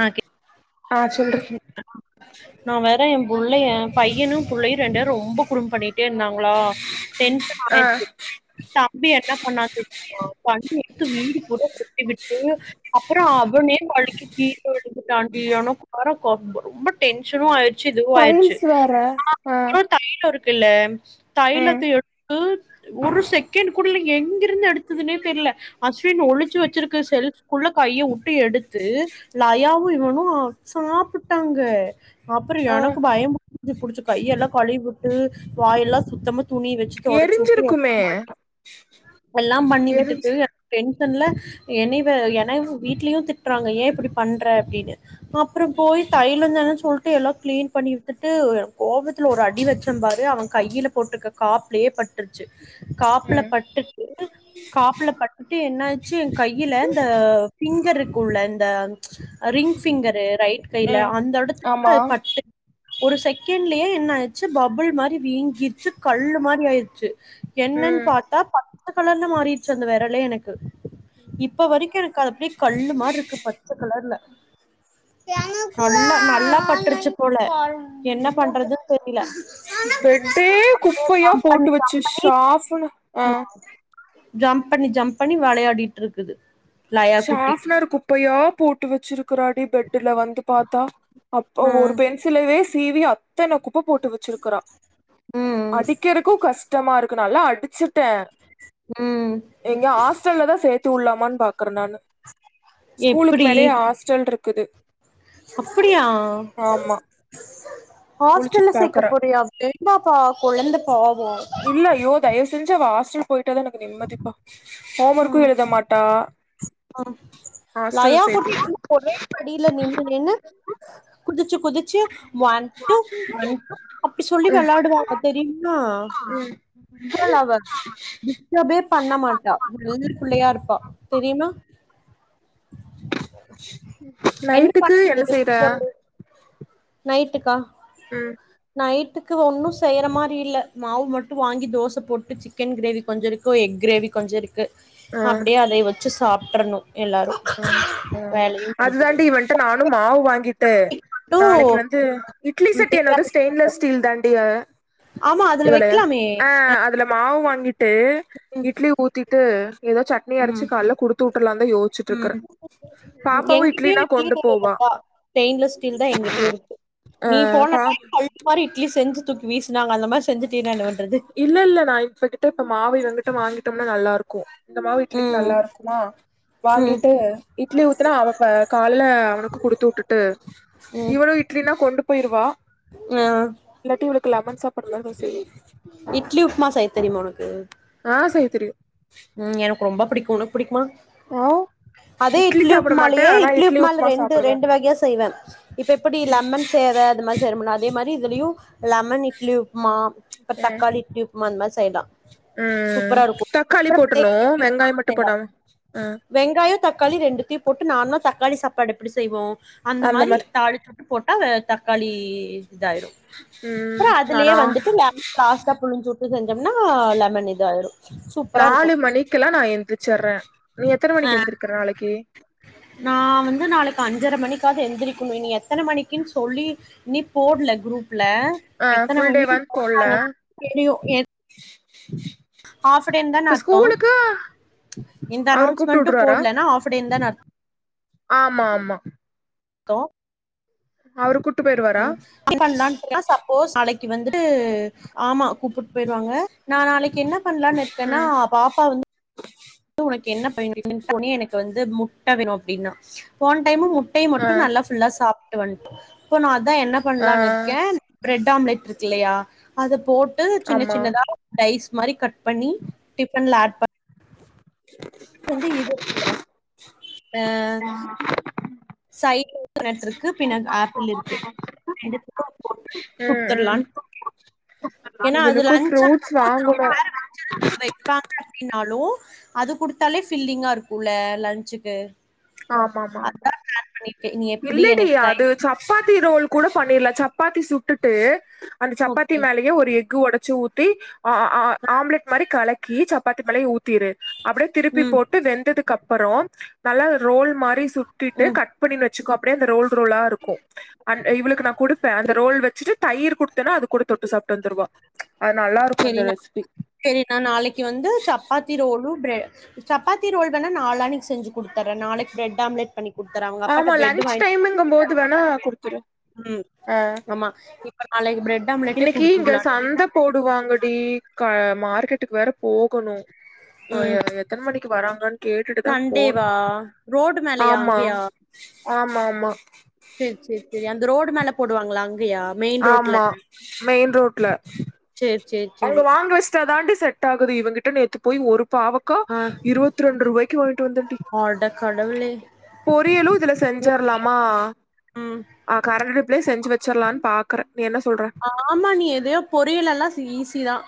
ஆ ஆ சொல்றி நா வரே புள்ளய பையனு புள்ளயு ரெண்டு ரொம்ப குரும்பு பண்ணிட்டே இருந்தாங்களா டென்ஷன் ஆ ஆயிருச்சி தம்பி என்ன பண்ணா தெரியுமா பண்ணி எடுத்து வீடு பூரா இதுக்கு அப்றோ அவனே வழுக்கி கீ விழுந்துட்டான்தாண்டி எனக்கு வேற கோ ரொம்ப டென்ஷனும் ஆயிடு ச்சு இதுவு ஆயிடுச்சு டைல்ஸ் வேற ஆ [unintelligible] க்குல்ல ம் தைலத்த எடுத்து ஒரு செகேண்ட் கூட இல்ல எங்கிருந்து எடுத்துதுனே தெர்ல அஸ் தின் ஒழுச்சு வச்சிருக்கு செல்ப் குள்ள கைய வுட்டு எடுத்து லயாவு இவனு சாப்புட்டாங்க அப்றோ ஆ எனக்கு பயம் பு து புடுச்சு கையெல்லா கழிவுட்டு வாயெல்லா சுத்தமா துணி வச்சு தொடச்சூட்டு எல்லா எரிஞ்சிருக்குமே பண்ணி எல்லாம் பண்ணி விட்டுட்டு எரிஞ்சு இப்ப எங் துல என்னைவ என்னையு வீட்லயு திட்றாங்க ஏன் இப்டி பண்ற அப்டின்னு அப்றோ போய் தை இல்லகனு சொல்ட்டு எல்லா கிளீன் பண்ணி வித்துட்டு கோவத்துல ஒரு அடி வச்சேம்பாரு அவ கையில போட்ருக்க காப்லயே பட்ருச்சு காப்புல ம் பட்டுட்டு காப்புல பட்டு என்னாச்சு என் கையில இந்த ஃபிங்கர் இருக் குள்ள இந்த ரிங் ஃபிங்கரு ரைட் கையில ம் அந்த ஆமா எடத்துல பட்டு ஒரு செகேண்ட்லயே என்ன ஆச்சு பபுள் மாரி வீங்கிருச்சு கல்லு மாரி ஆயிருச்சு என்னன்னு ம் பார்த்தா [unintelligible] கலர்ன மாறிட்ச்சு அந்த வேரலே எனக்கு இப்ப வரைக்கு எனக்கு அப்டிய கல்லு மாரி இருக்கு ப தெர்ல நல்லா நல்லா பட்ரிச்சு போல என்ன பண்றது தெரில பெட்டே அப்டியே குப்பையா ஜம்பண்ணி போட்டு வச்சு ஷாஃப்னு ஆ ஜம்பண்ணி [unintelligible] ஜம்ப் பண்ணி ஜம்ப் பண்ணி வெளையாடிட்டுருக்குது ஷாஃப்னர் குப்பையா போட் விட்டு வச்சிருக்கிறாடி பெட்டுல வந்து பாத்தா அப்போ ஒரு ம் பென்சிலு வேஸ் டிவி அத்தன குப் உப்பு போட்டு வெச்சிகுருக்குறா ம் அடிக்கிறக்கு கஷ் ஷ்டமா இருக்கு நல்லா அடிச்சுட்டே ம் எங்க ஹாஸ்டல்ல தா சேத்து உட்லாமான் க்கறனால ஸ்கூலுக்கு மேலயே ஹாஸ்டல்டுருக்கு க்குது அப்படியா ஹாஸ்டல்ல முழிச்சுட்டு சேக்க பாக்குறே போறியா [unintelligible] இந்தப்பா கொழந்த பாவோ இல்ல யோ தயவ் செஞ்சி அவ ஷாஸ் ஸ்டல் போயிட்டா தா நாங்க நிம்மதிப்பா ஹோம் ஒர்க்கு எழுத மாட்டா ஆஹ் ஹாஸ்டல் சேத்தி லயாக்குட்டி ஒரே படியில நின்னு நின்னு குதிச்சி குதிச்சு ஒன் டூ ஒன் அப்டி சொல்லி வெளாடுவா அவ தெரியுமா குட்கேல் அவ டிஸ்டபே பண்ண மாட்ட ஒழுங்கு புள்ளையா இருப்பா தெரியுமா என்ன நைட்டுக்கு என்ன பண்ணுது செய்ற பொண்ணு நைட்டுக்கா ம் நைட் டுக்கு ஒன்னு செய்ற மாரி இல்ல மாவு மட்டு வாங்கி தோச போட்டு சிக்கன் கிரேவி கொஞ்ச இருக்கு எக் கிரேவி கொஞ்ச இருக்கு அப்டே அதே வெச் வெச்சு சாப்ட்றணு எல்லாரு உ உ வேலையு முடிஞ்சிடு அதுதாண்டி இவன்ட நானு மாவு வாங்கிட்டே டு நாளைக்கு வந்து இட்லி சட்டி என்ன வந்து பிரியாணி ஸ்டெயின்லெஸ் ஸ்டீல் தாண்டி அ ஆமா ஆ அதுல இதுலயா வைக்கலாமே ஆ அதுல மாவு வாங்கி ட்டு இட்லி ஊத்திட்டு ஏதோ சட்னி அரச்சு காலைல குடுத்து விட்டுறலாம் தான் யோசிச்சுட்டு இருக்கு எங்கிட்டயு கொண்டு போவா [unintelligible] ஸ்டெயின்லெஸ் ஸ்டீல் தான் எங்கிட்டயும் இருக்கு ஆ நீ போன பா டைம் மாரி இட்லி செஞ்சு தூக்கி வீசுனாங்க அந்த மாரி செஞ்சுட்டீனா என்ன பண்றது இல்ல இல்ல நான் இப்பகிட்ட இப்ப மாவு வந்து வாங்கிட் நல்லா இருக்கும் இந்த மாவு இட்லிக்கு ம் நல்லா இருக்குமா ம் வாங்கிட்டு இட்லி ஊத்துனா அவ காலைல அவனுக்கு குடுத்து விட்டுட்டு ம் இவனும் இட்லினா கொண்டு போய்ருவா ஆ இல்லாட்டி அவளுக்கு லெமன் சாப்பாடுலா நா செய் இட்லி உப்மா செய்ய தெரிமா உனக்கு ஆ செய்ய தெரியு ம் எ னக்கு ரொம்ப பிடிக்கு உனக்கு பிடிக்குமா அதே இட்லி சாப்ட மாட்டே உப்புமாலயே ஆனா இட்லி உப்புமா உப்மா ரெண்டு சாப்டுவே ரெண்டு வகையா செய்வ இப்ப எப்டி லெமன் சேவை அது மாரி செய்றமல்ல அதே மாரி இதுலயு லெமன் இட்லி உப்மா அப்பற தக்காளி இட்லி உப்மா அந்த மாரி செய்லா ம் ம் ம் தக்காளி போட்ரணு பிளைன் இட்லி வெங்காய மட்டு போடாம ஆ ய தக்காளி ரெண்டத்தயு போட்டு நார்மலா தக்காளி சாப்பாடு அப்டி செய்வோ அந்த மாரி தாளிச்சுட்டு போட் டா தக்காளி இதாயிரு ம் அப்புற அதுலயே நானா வந்துட்டு லெமன் லாஸ்ட்டா புளிஞ்சு ட்டு செஞ்சம்னா லெமன் இது ஆயிரு நாலு மணிக்கெலா நா எந்தி ரிச்சர்ரே அ நா வந்து நாளைக்கு அஞ் அஞ்சர மணிக்காது எந்திரிக்கணு நீ எத்தன மணிக்குன் சொல்லி நீ போடுல குரூப் ல ஆ எத்தன ஃபுல் மணி டேவான் போட்ல போட்டாங்கனா தெரியு ஹாஃப் எ டேன்தான இப்ப அர்த்த ஸ்கூலுக்கு எந்த அவரு கூப்ட்டு அனோன்ஸ்மெண்ட்டு வுட்ருவாரா போடலான ஹாஃப டேன்தான அர் ஆமா ஆமா தோ அவரு கு ம் இப்ப [unintelligible] சப்போஸ் நாளிக்கு வந்து ந்து ஆமா கூப்பிட்டு போய்ருவாங்க நா நாளைக்கு என்ன பண்ணலான்னு இருக்கேன்னா ம் பாப்பா வந்து உனக்கு என்ன [unintelligible] எனக்கு வந்து முட்ட வேணு அப்டின்னா போன டைமு முட் முட்டய ஆ மட்டு நல்லா புல்லா சாப்ப வன்டா போன அதா என்ன ஆ பண்ணலான்னு இருக்க பிரெட் ஆம்லெட் இருக்கு இல்லியா அத போட் சின்ன ஆமா சின்னதா டைஸ் மாரி கட் பண்ணி டிபண்ல ஆட் பண்ண வந்து இது இருக்குல ஆஹ் [unintelligible] இருக்கு பின்ன ஆப்பிள் இருக்கு ரெண்டுதுக்கு உம் உம் ஏன்னா அது இவளுக்கு லஞ்சா ஃப்ரூட்ஸ் வாங்கனு க்காங்க அப்டின்னாலும் அது குடுத்தாலே பில்டிங்கா இருக்கும்ல்ல லஞ்ச்சுக்கு ஆமாமா நீ எப்படி இல்லடி எனக்கு டைம் அது சப்பாத்தி ரோல் கூட பண்ணிடல சப்பாத்தி சுட்டுட்டு அந்த சப்பாத்தி ஓகே மேலயே ஒரு எக் ஒடச்சு ஊத்தி ஆ ஆம்லெட் மாரி கலக்கி சப்பாத்தி மேலயே ஊத்திரு அப்டியே திருப்பி ம் போட்டு வெந்ததுக்கு அப்புறம் நல்ல ரோல் மாரி சு ட்டிட்டு ம் கட் பண்ணி வெச் க்கோ அப்டியே அந்த ரோல் ரோலா இருக்கு இவளுக்கு நா குடுப்ப அந்த சரி ரோல் வெச்சுட்டு தயிர் குடுத் னா அது கூட தொட்டு சாட்டு வந்துருவா அது நல்லா இருக்கும் அந்த சரிண்ணா ரெசிபி சரிண்ணா நாளிக்கு வந்து chapati roll bread chapati roll வோ நாளானிக்கு செஞ்சு குடுத்தற நாளிக்கு ப்ரெட் ஆம்லட் பண்ணி கொடுத்துறேன் அவங்க ஆமா லன்ச் டைமுங்க போது அது வேணா குடு உம் ஆமா அன்னக்கி பிரட் இன்னிக்கு இங்க சந்த போடுவாங்க டி க மார்க்கெட்டுக்கு வேற போகணும் ஆ ம் எத்தன மணிக்கு வராங்கன்னு கேட்டுட்டுதான் போனும் சண்டேவா ரோடு மேலயா ஆமா அங்கேயா ஆமா ஆமா சேரி சேரி சேரி அந்த ரோடு மேல போடுவாங்களா அங் ஆமா மெயின் ரோட்ல சேரி சேரி அங்க சேரி வாங்கி வஸ்டா தாண்டி செட் ஆகுது இவங்கிட்ட நேத்து போய் ஒரு பாவக்கா ஆ இருவத்தி ரெண்டு ரூபாய்க்கு வாங்கிட்டு வந்தேண்டி அட கடவுளே பொரியலும் இதுல செஞ்சரலாமா ம் ஆஹ் கரண்ட் அடுப் லயே செஞ்சு வெச்சரலானு பாத் கரே ஆமா நீ எதையோ பொரியல் எல்லாம் ஈஸிதான்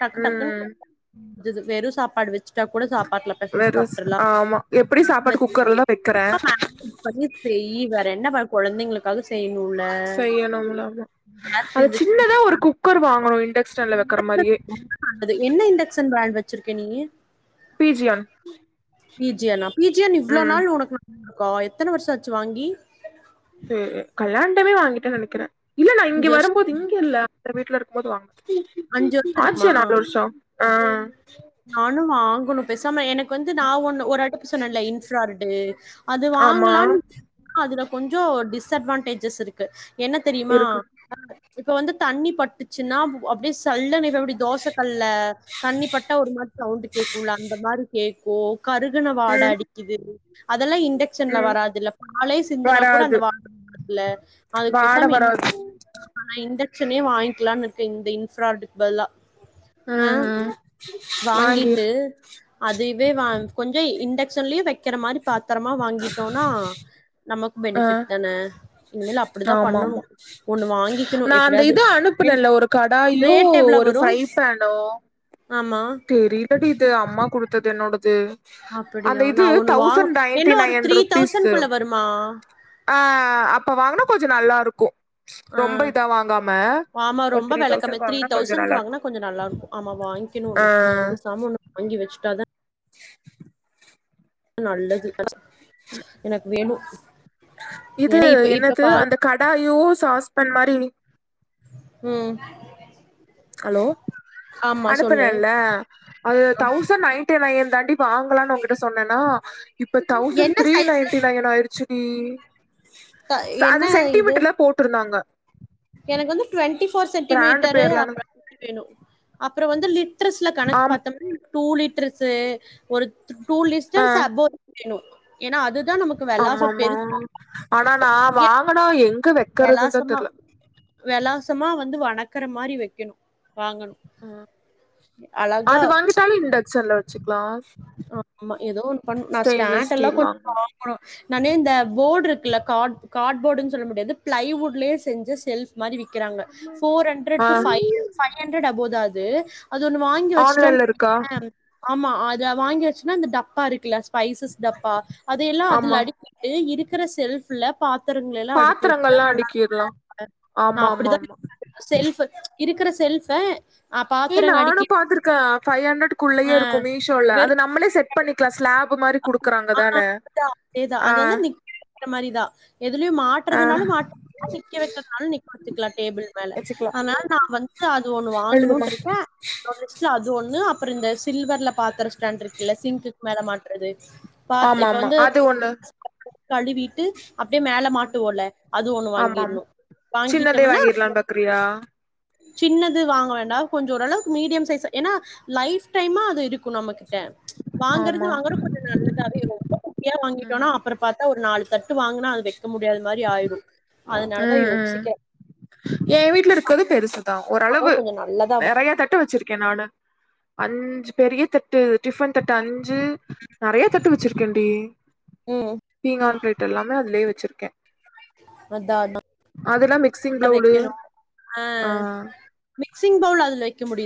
டக்கு டக்குனு ம் வெந்துது வெரு சாப்பாடு வெச் ச்ட்டா கூட சாப்பாட்ல பெசஞ்சு வெறு ஸ் சாப்டுறலாம் ஆமா எப்டி சாப்பாடு குக்கர்லதா வைக்கிறே [inaudible] பண்ணி செய் வேற என்ன பண்ண கொழந்தைகளுக் காது செய் செய்யணும்ல ஆமா அது சின்னதா ஒரு குக்கர் வாங்கணு இண்டக்ஷன்ல வைக்கிற மாரியே [unintelligible] என்ன இண்டக்ஷன் ப்ராண்ட் வச்சிருக்கே நீ பீஜியான் பீஜியானா பீஜியான் இவ்ளோ ம் நாள் உனக்கு [unintelligible] க்கா எத்தன வருஷோ ஆச்சு வாங்கி க்கு கல்யாண் [unintelligible] வாங்கிட்டேனு நெனைக்கறேன் இல்ல நா இங்க அஞ்சு வருஷ வரும்போது இங்க இல்ல [unintelligible] வீட்ல இருக்கும் போது வாங்கனே வருஷம் இருக்குமா? ஆச்சே நாலு வருஷம் ஆஹ் நானும் வாங்கணும் பேசாம எனக்கு வந்து நான் ஒண்ணு ஒரு அடுப்பு சொன்னன்ல இன்ஃப்ரார்டு அது ஆமா வாங்கலான் அதுல கொஞ்சம் டிஸ்அட்வான்டேஜஸ் இருக்கு என்ன தெரியுமா இருக்கு இப்ப வந்து தண்ணி பட்டுச்சுன்னா அப்பிடியே சல்லன்னு எப்படி தோச கல்லுல தண்ணி பட்டு கிட்ட ஒரு மாதிரி சவுண்ட் கேக்கும்ல அந்த மாதிரி கே போ கருகுன வாட ம் அடிக்குது அதெல்லாம் இண்டக்க்ஷன்ல ம் வராதுல்லப் பாலே சிந்தனா கூட வராது அந்த வாட வராதுல்ல அது வாட பேசாம இந் வராது இந்த மிஷினே வாங்கிக்கலான்னு இருக்கேன் இந்த இன்ஃப்ராடக்பா ஆ ஆ வாங்கிட்டு அதுயுவே வாங் கொஞ்ச இண்டக்ஷன்லியு வெக்கிற மாரி பாத் தரமா வாங்கிட்டோனா நமக் ஆ பண்ணணு ஆம்மாம்மா ஒண்ணு வாங்கிக்கணு நா அந்த எப்டியாது இது அனுப்புனலே ஒரு கடாயூ ரேட் எவ்ளோ ஒரு ஃப்ரை பானு ஆ தெரீலடி இது அம்மா குடுத்தது என்னோடது அந்த அப்டியா இது நா ஒண்ணு வாங் தௌசண்ட் நயண்ட்டி என்ன ஒரு நயண் த்ரீ ருபீஸ்சு தௌசண்ட்குள்ள வருமா ஆ அப்ப வாங்னோ கொஞ்ச நல்லாருக்கோ ஆ ஆமா ஒரு ரொம்ப த்ரீ வெல கம்யா தௌசண்ட்க்கு த்ரீ வாங்குனா கொஞ்சோ தௌசண்ட்க் நல்லா வாங்னா கொஞ்சோ நல்லாருக்கோ ஆமா வாங்கிணு ஆ ஒன்னு பேசாம ஒன்னு வாங்கி வெச்சுட்டா அதா நல்லது [unintelligible] எனக்கு வேணு இது ஏன்னா இப்ப இப்ப என்னது பால் அந்த கடாயூ சாஸ் பான் மாரி இ ம் ஹலோ ஆமா சொல்லு அனுப்புனேன்ல அது தௌசண் நைன்டி நையன் தாண்டி வாங்கலான்னு உன்கிட்ட சொன்னன்னா இப்ப தௌசண் என்ன த்ரீ சைஸ் நையன்டி நையன் ஆயிருச்சு டி த ச என்ன அது இது சென்டிமீட்டர்ல போட்ருந்தாங்க எனக்கு வந்து டுவெண்ட்டி ஃபோர் பிராண்டு சென்டிமீட்டரு பேர்லனு அப்றோ வேணு அப்றோ வந்து லி ட்டர்ஸ்ல கணக்கு ஆம் பாத்தோம் டூ லிட்டர்ஸு ஒரு டூ லிஸ்டன்ஸ் அபோ வேணு ஏன்னா அது ஆமாம்மா ஆனா நா வாங்குனா எங்க வைக்கறது தா தெர்ல வேலாசமா வந்து வணக்கற மாரி வைக்கணு வாங்கணு ஆ அழகா அது வாங்கட்டாலு இண்டக்க்ஷன்ல வச்சு க்ளாஸ் ஆமா ஏதோ ஒண்ணு பண் நா ஸ்டாண்ட்லா ஸ்டீல் கொஞ்சோ வாங்கனு வாங்கணு நானு இந்த போடு இருக்குல கார்ட் கார்ட் போர்டுன் சொல்ல முடியாது பிளைவுட்லே செஞ்ச செல்ஃப் மாரி விக்கிறாங்க ஃபோர் ஹண்ட்ரட் ஆ டு ஃபைவ் ஃபைவ் ஹண்ட்ரட் க்காது அது ஒண்ணு வாங்கி வச்சுட்டோன் ஆன்லைன்ல இருக்கா [unintelligible] ஆமா ஆல் வாங்கிவாசுன்னா அந்த டப்பாருக்குல ஸ்பைசஸ் டப்பா அதையெல்லா அதுல ஆமா அடிக்கிட்டு இரு இருக்குற செல்ஃப்ல பாத் பாத்திரங்கள்லா அடுக்கிர்லா நா ஆமா ஆமா அப்டிதா ஆமா செல்ஃப்பு இருக்கற செல்ஃப ஏ நானு பாத்துருக்க ஃபைவ் ஹண்ட்ரட் அ குள்ளேயேருக்கு மீஷோல அத வெறும் நம்மளே செட் பண்ணிக்கலா ஸ்லாப் குடுக்குறாங்க ஆ தானே ஆ அந்த மாரிதா எதுலயும் ஆ மாட்றதுனாலு மாட்டிக்லா நிக்க வைக்கறதுனாலு நிக்க வச்சுக்கலா டேபிள் மேல வச்சுக்கலா அனால நா வந்து அது ஒண்ணு எழுதுமா வாங்கணுன்ருக்கே து ஒண்ணு அப்ற இந்த சில்வர்ல பாத்திர [unintelligible] இருக்குல சிங்குக்கு மேல மாட்ட ட்றது பாத் ஆமா இப்ப ஆமா வந்து அது ஒண்ணு கழுவிட்டு அப்டியே மேல மாட்டுவோல அது ஒண்ணு ஆமா ஆமா வாங்கிட்ணு சின்னதே வாங்கிட்டம்னா வாங்கிரலான்னு பாக்குறியா சின்னது வாங்க வேண்டா கொஞ்சோ ஓரளவுக்கு மீடியம் சைஸ் ஏனா லைஃப் டைமா அதுருக்கு நம்மகிட்ட வாங்கறது ஆமா வாங்கறோ நல்லதாவே [unintelligible] குட்டியா ம் வாங்கிட்டோனா அப்புற பாத்து [unintelligible] ஒரு நாள் வாங்னா அது வைக்க முடியாத மாரி ஆய்ரு ஆ ஆ ஏன் வீட்ல இருக்றது பெருசு தா ஓரளவு அப்புறம் கொஞ்சோ நல்லதா வாங்கி- நறைய தட்டு வச்சிரு கெனானு அஞ்சு பெரிய தட்டு டிஃபன் தட்டு அஞ் சு நறைய தட்டு வச்சிருக்கேன் டி ம் பீங்கான் பிளேட் எல்லாமே அதுலே வச்சிருக்கேன் அதா அதான் அதெல்லா வெக் மிக்சிங் ப்ளவ்லு ஆ மிக்சி்ங் பவுல் அதுல வெக்க முடி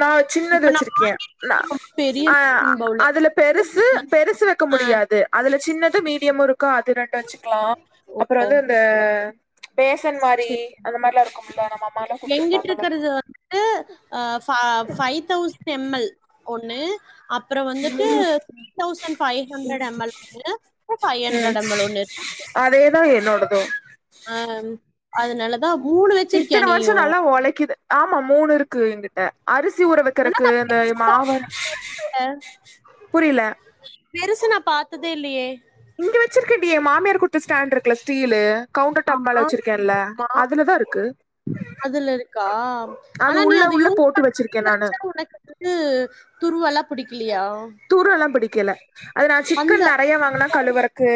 நா சின்னது வச்சிருக்கேன் நா வாங்கிருக்கிறது ரொம்ப பெரிய அ மிக்சிங் பவுலு அதுல பெருசு பெருசு வெக்க ஆ முடியாது அதுல சின்னது மீடியமு இருக்கும் அது ரெண்டு வெச்சுக்கலா ஓ அப்புறோ வந்து இந்த பேசன் மாரி சரி அந்த மாரிலாம் இருக்கும்ல நம்ம அம்மாலா எங்கிட்ட குடுத்துருப்பாங்கல்ல இருக்கிறது வந்துட்டு ஆ ஃப ஃபைவ் தௌசண்ட் எம்எல் ஒன்னு அப்றோ வந்துட்டு three thousand five hundred ML ஒன்னு ஃபை ஹண்ட்ரட் எம்எல் ஒன்னு இருக்கு அப்போ ஆ அது நல்ல இத்தன வருஷோ நல்லா ஒழைக்கிது ஆமா மூணு இருக்கு எங்கிட்ட அரிசி ஊற ஆனா வைக்கறக்கு நா அந்த பெருசா மாவு பாத்ததே இல்லையே புரியில பெருசு நா பாத்ததே இல்லையே இங்க வச்சிருக்கன்னியே மாமியார் குடுத்த ஸ்டாண்ட் இருக்குல ஸ்டீலு கவுண்டர் டாப் மேல ஆமா வச்சிருக்கேன்ல ஆமா அதுலதா இருக்கு அதுல இருக்கா அது ஆனா நீ உள்ள அத உள்ள யூஸ் போட்டு பண்றதே வச்சிருக்கே நானு வச்சா உனக்கு அது வந்து துருவெல்லா புடிக்கி அப்டியா கில அது நா சிக்கன் நறையா வாங்குனா கழவுறக்கு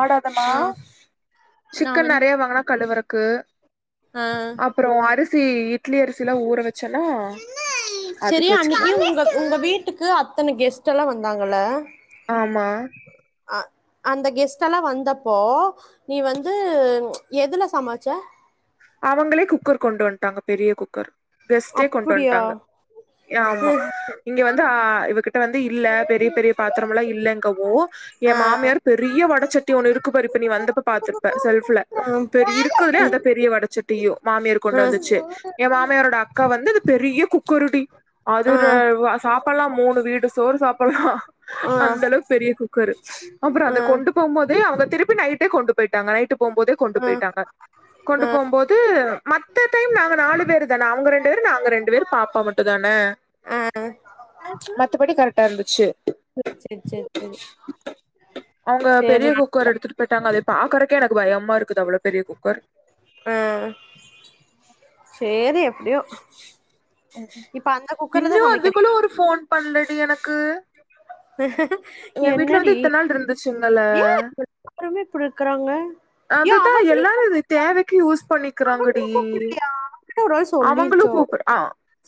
ஆடாதம்மா ஆ நா சிக்கன் வந்து நறைய வாங்குனா கழுவுறக் க ஆ அப்றோ அரிஸ் சி இட்லி அரிசிலா ஊற வச்சேன்னா செரி அதுக்கு வச்சுக்குவே அன்னைக்கு உங்க உங்க வீட்டுக்கு அத்தன கெஸ்ட் எல்லா வந்தாங்கல்ல ஆமா அ அந்த கெஸ்ட்டெல்லா வந்தப்போ நீ வந்து எதுல சமச்ச அவங்களே குக்கர் கொண்டு வந்ட்டாங்க பெரிய குக்கர் கெஸ்ட்டே கொண்டு அப்டியா வந்ட்டாங்க யாமா இங்க வந்து ஆ இவக்கிட் இப்ப வந்து இல்ல பெரிப் பெரி பெரிய பாத்துரமுல்லா இல்லெங்க்கா ஓ ஆ ஏன் மாமியாரு பெரிய வடச்சட் டி ஒன்னு இருக்கு பாரு இப்ப நீ வந்தப்ப பாத்திருப்ப செல்ஃபுல ஆ பெறகு இருக்குறதுலே அதா பெரிய வட சட்டியோ மாமியரு கொண்டு வந்துச்சு என் மாமியாரோட அக் அக்கா வந்துது பெரிய குக்கருடி ஆ அதுத வா சாப்பால்லா மூணு வீடு சோறு சாப்பல்லா ஆ ஆ அந்த அளவுக் பெரிய குக்கரு அப்புற அத ஆ. கொண்டு போம்போதே அவங்க திருப்பி நைட்டே கொண்டு பேய் டாங் நைட்டு போம்போது கொண்டு ஆ பேய்ட்டாங்க கொண்டு போம்போது மத்த டைம் நாங்க நாலு பேரு தனா அவுங்க ரெண்டுவேரு நாங்க ரெண்டுவேரு பாப்பா மட்டுதான மத்தபடி கருட்டா இருந்துச்சு சேரி சேரி சேரி சேரி அவுங்க சேரி பெரிய குக்கர் நல்லதுதா எடுத்துட்டு பேய்ட்டாங்க அத பாக்குறக்கே எனக்கு பயமா இருக்குது அவ்ளோ பெரிய குக்கர் ஆஹ் சேரி எப்டியோ இப்ப அந்த குக்கர்லதா இன்னு அதுக்குள்ள சமைக்கிறீங்க ஒரு ஃபோன் பண்ல து எனக் என் வீட்ல என்னடி வந்து இத்தன நாள் இருந்துச்சுங்கல்ல ஏன் எல்லாருமே இப்புடு இருக்குறாங்க ஏ அதுதான் அவங்குளுக்கு எல்லாரும் இது தேவைக்கு யூஸ் அவங்குளுக்கு [unintelligible] அவங்குளு கூப்டு ஆ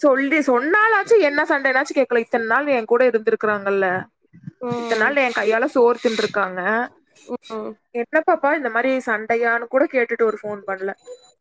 சொல்லி சொன்னாலாச்சு என்ன சண்டேனாச்சு கேக்குல இத்தன் நாள் என் கூட இருந்திருக்றாங்கல்ல ம் இத்தன்நாள் என் கையால சோர் தின்று காங்க ம் என்ன பாப்பா இந்த மாரி சண்டையானு கூட கேட்டுட்டு ஒரு ஃபோன் பண்ல